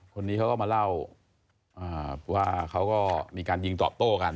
คนนี้เขาก็มาเล่าว่าเขาก็มีการยิงตอบโต้กัน